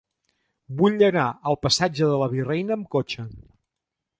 Vull anar al passatge de la Virreina amb cotxe.